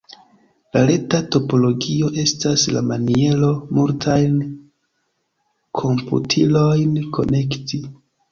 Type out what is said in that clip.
La reta topologio estas la maniero, multajn komputilojn konekti.